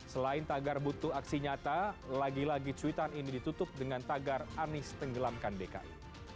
selain tagar butuh aksi nyata lagi lagi cuitan ini ditutup dengan tagar anies tenggelamkan dki